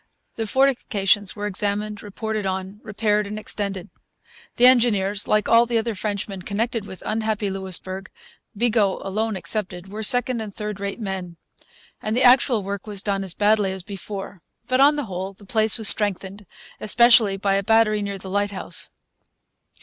The fortifications were examined, reported on, repaired, and extended. The engineers, like all the other Frenchmen connected with unhappy Louisbourg, Bigot alone excepted, were second and third rate men; and the actual work was done as badly as before. But, on the whole, the place was strengthened, especially by a battery near the lighthouse.